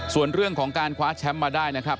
ส่วนเรื่องของการคว้าแชมป์มาได้นะครับ